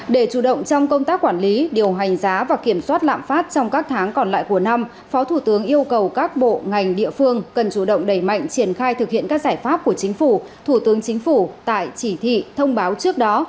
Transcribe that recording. để chủ động trong công tác quản lý điều hành giá và kiểm soát lạm phát trong các tháng còn lại của năm phó thủ tướng yêu cầu các bộ ngành địa phương cần chủ động đẩy mạnh triển khai thực hiện các giải pháp của chính phủ thủ tướng chính phủ tại chỉ thị thông báo trước đó